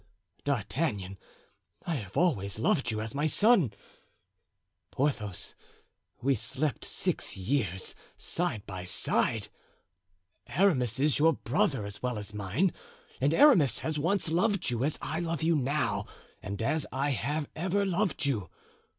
D'Artagnan, I have always loved you as my son; Porthos, we slept six years side by side; Aramis is your brother as well as mine, and Aramis has once loved you, as I love you now and as I have ever loved you.